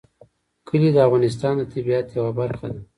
کلي د افغانستان د طبیعت یوه برخه ده.